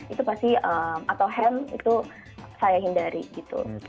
itu pasti atau ham itu saya hindari gitu